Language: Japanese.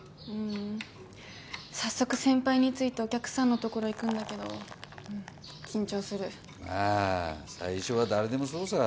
うん早速先輩についてお客さんの所行くんだけど緊張するまあ最初は誰でもそう